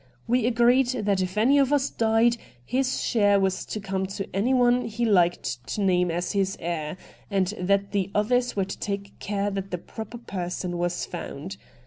We agreed that if any of us died, his share was to come to any one he liked to name as his heir, and that the others were to take care that the proper person was found.